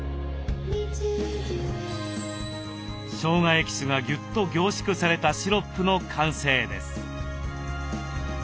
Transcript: しょうがエキスがぎゅっと凝縮されたシロップの完成です。